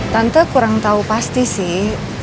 tante kurang tahu pasti sih